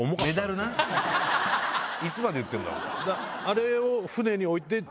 いつまで言ってんだ！